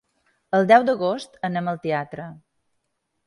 El deu d'agost anem al teatre.